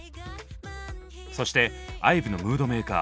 そしてＩＶＥのムードメーカー